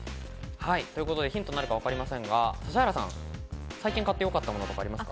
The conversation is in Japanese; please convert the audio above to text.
ヒントになるかわかりませんが、指原さん、最近買ってよかったものはありますか？